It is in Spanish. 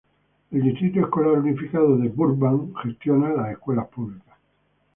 El Distrito Escolar Unificado de Burbank gestiona escuelas públicas.